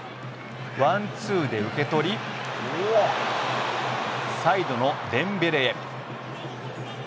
ワンツーで、受け取りサイドのデンベレ。